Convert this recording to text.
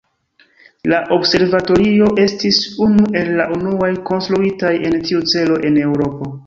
La observatorio estis unu el la unuaj konstruitaj en tiu celo en Eŭropo.